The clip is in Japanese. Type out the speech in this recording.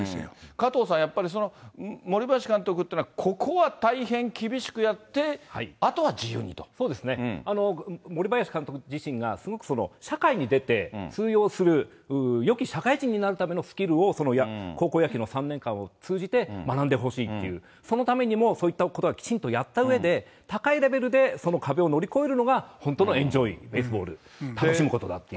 加藤さん、やっぱり森林監督というのはここは大変厳しくやっそうですね、森林監督自身がすごく社会に出て通用する、よき社会人になるためのスキルを高校野球の３年間を通じて学んでほしいっていう、そのためにも、そういったことはきちんとやったうえで、高いレベルでその壁を乗り越えるのが、本当のエンジョイベースボール、楽しむことだという。